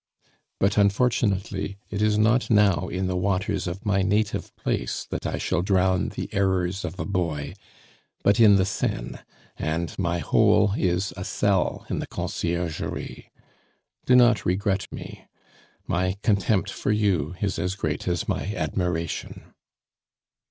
But, unfortunately, it is not now in the waters of my native place that I shall drown the errors of a boy; but in the Seine, and my hole is a cell in the Conciergerie. "Do not regret me: my contempt for you is as great as my admiration.